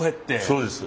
そうです。